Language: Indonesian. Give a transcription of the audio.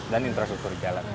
dan infrastruktur jalan